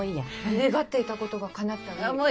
願っていたことが叶ったり。